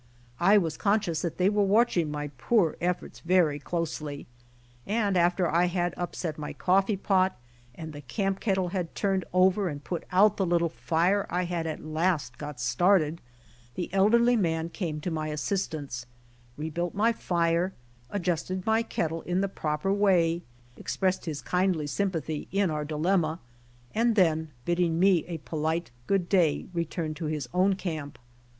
I was con scious that they were watching my poor efforts very closely, and after I had upset my coffee pot, and the camp kettle had turned over and put out the little fire I had at last got started, the elderly man came to my assistance, rebuilt my fire, adjusted my kettle in the proper way, expressed his kindly sympathy in our dilemmia, and then bidding me a polite good day returned to his own camp.